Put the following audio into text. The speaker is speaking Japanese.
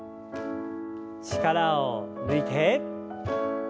力を抜いて。